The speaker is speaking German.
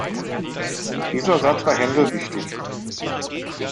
Dieser Satz war Händel wichtig.